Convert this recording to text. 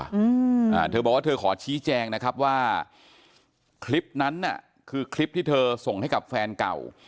อืมอ่าเธอบอกว่าเธอขอชี้แจงนะครับว่าคลิปนั้นน่ะคือคลิปที่เธอส่งให้กับแฟนเก่า